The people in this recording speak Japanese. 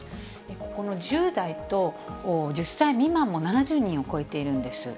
ここの１０代と１０歳未満も７０人を超えているんです。